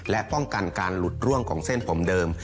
และป้องกันการหลุดร่วงของเส้นผมเดิม